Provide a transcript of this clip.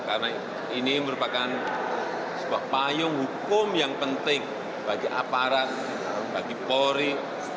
karena ini merupakan sebuah payung hukum yang penting bagi aparat bagi polri